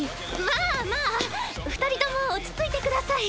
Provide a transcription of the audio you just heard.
まあまあ二人とも落ち着いてください。